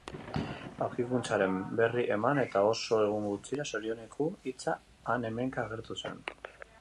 Aurkikuntzaren berri eman eta oso egun gutxira, sorioneku hitza han-hemenka agertu zen